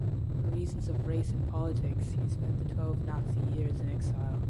For reasons of race and politics he spent the twelve Nazi years in exile.